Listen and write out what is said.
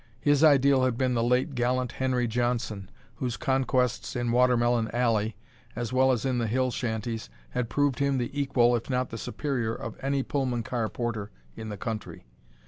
His ideal had been the late gallant Henry Johnson, whose conquests in Watermelon Alley, as well as in the hill shanties, had proved him the equal if not the superior of any Pullman car porter in the country.